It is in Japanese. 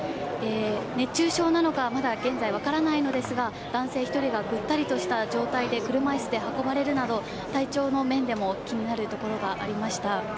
熱中症なのか、まだ現在分からないのですが、男性１人がぐったりとした状態で車いすで運ばれるなど、体調の面でも気になるところがありました。